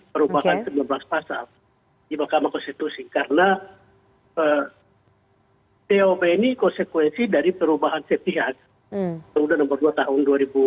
perubahan dua ribu dua puluh satu atau perubahan dua ribu dua puluh satu tahun dua ribu satu